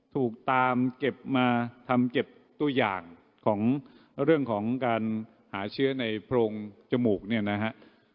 ถูกตามเก็บมาทำเก็บตัวอย่างของเรื่องของการหาเชื้อในโพรงจมูกเนี่ยนะฮะ